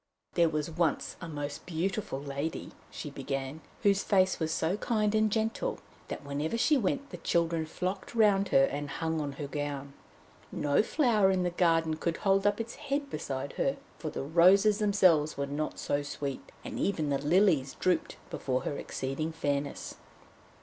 The Bird at the Window. "There was once a most beautiful lady," she began, "whose face was so kind and gentle that wherever she went the children flocked round her and hung on her gown. No flower in the garden could hold up its head beside her, for the roses themselves were not so sweet, and even the lilies drooped before her exceeding fairness.